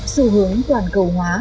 xu hướng toàn cầu hóa